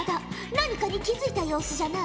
何かに気付いた様子じゃな。